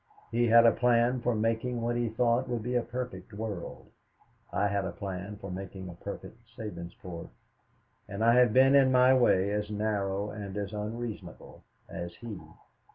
He had a plan for making what he thought would be a perfect world; I had a plan for making a perfect Sabinsport. And I have been in my way as narrow and as unreasonable as he.